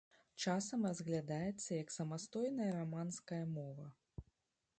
Часам разглядаецца як самастойная раманская мова.